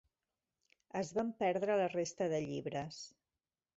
Es van perdre la resta de llibres.